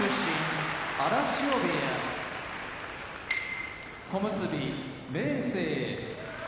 荒汐部屋小結・明生